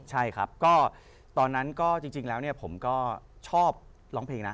ใช่ครับก็ตอนนั้นก็จริงแล้วเนี่ยผมก็ชอบร้องเพลงนะ